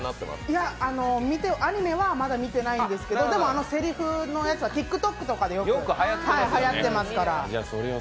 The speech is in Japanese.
いや、アニメはまだ見てないんですけどでも、せりふのやつはＴｉｋＴｏｋとかでよく、ハヤってますから。